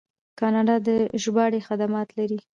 کاناډا د ژباړې خدمات لري.